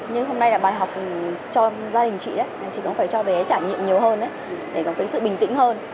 nhưng hôm nay là bài học cho gia đình chị chị cũng phải cho bé trả nhiệm nhiều hơn để có sự bình tĩnh hơn